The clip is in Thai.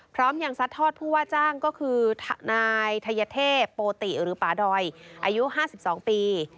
พร้อมยังซัดทอดผู้ว่าจ้างก็คือนายทัยเทพโปติหรือป่าดอยอายุ๕๒ปี